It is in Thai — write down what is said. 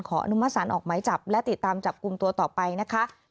อนุมัติศาลออกหมายจับและติดตามจับกลุ่มตัวต่อไปนะคะ